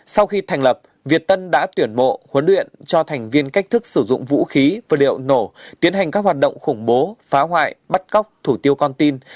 sau khi thành lập việt tân đã tuyển mộ huấn luyện cho thành viên cách thức sử dụng vũ khí và liệu nổ tiến hành các hoạt động khủng bố phá hoại bắt cóc thủ tiêu con tin